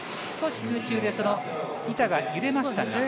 少し空中でその板が揺れましたが。